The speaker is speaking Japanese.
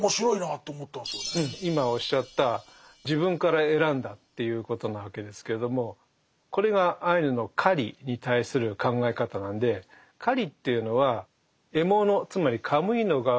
今おっしゃった自分から選んだっていうことなわけですけれどもこれがアイヌの狩りに対する考え方なんで狩りっていうのは獲物つまりカムイの側から人間を選ぶ。